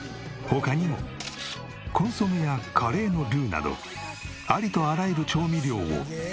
他にもコンソメやカレーのルーなどありとあらゆる調味料を手作り。